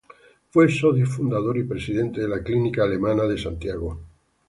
Fue socio fundador y presidente de la Clínica Alemana de Santiago.